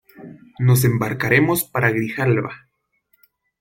nos embarcaremos para Grijalba :